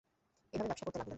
এভাবে ব্যবসা করতে লাগলেন।